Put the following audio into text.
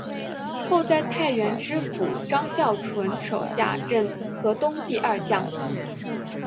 后在太原知府张孝纯手下任河东第二将。